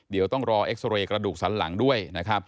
เดี๋ยวต้องรอเอ็กซอเรย์กระดูกสันหลังด้วยนะครับ